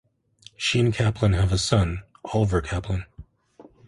She and Kaplan have a son, Oliver Kaplan.